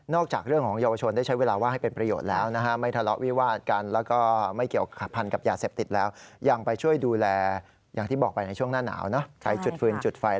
นอกจากเรื่องของเยาวชนได้ใช้เวลาว่างให้เป็นประโยชน์แล้วนะฮะ